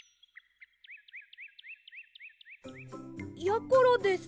やころです。